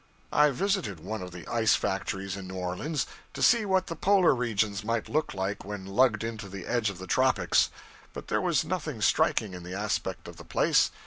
I visited one of the ice factories in New Orleans, to see what the polar regions might look like when lugged into the edge of the tropics. But there was nothing striking in the aspect of the place.